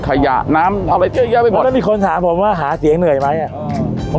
ขยะน้ำทำอะไรเยอะแยะไปหมดแล้วมีคนถามผมว่าหาเสียงเหนื่อยไหมอ่ะอืม